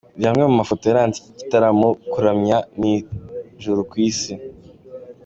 Reba amwe mu mafoto yaranze iki gitaramo 'Kuramya ni ijuru ku isi'.